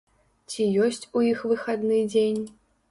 Ці ёсць у іх выхадны дзень?